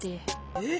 えっ！？